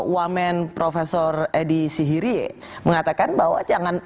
wamen prof edi sihirie mengatakan bahwa